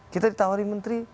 kita ditawari menteri